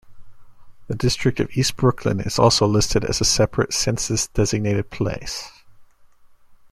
The district of East Brooklyn is also listed as a separate census-designated place.